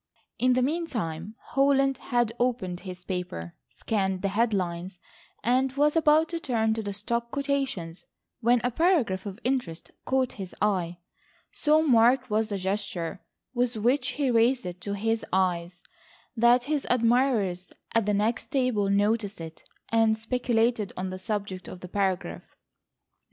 In the meantime Holland had opened his paper, scanned the head lines, and was about to turn to the stock quotations when a paragraph of interest caught his eye. So marked was the gesture with which he raised it to his eyes that his admirers at the next table noticed it, and speculated on the subject of the paragraph.